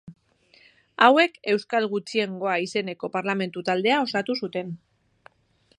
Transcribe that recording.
Hauek euskal gutxiengoa izeneko parlamentu-taldea osatu zuten.